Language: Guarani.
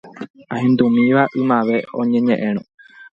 Ahendúmiva ymave oñeñe’ẽrõ